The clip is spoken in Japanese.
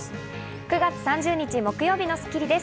９月３０日、木曜日の『スッキリ』です。